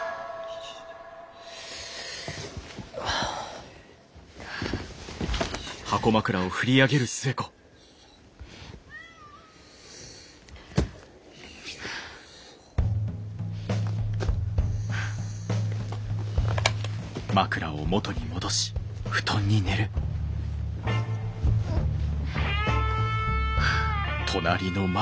あ。はあ。はあ。はあ。